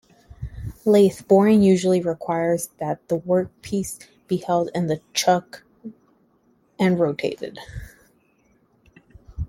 Lathe boring usually requires that the workpiece be held in the chuck and rotated.